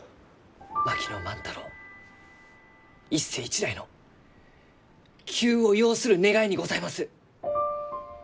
槙野万太郎一世一代の急を要する願いにございます！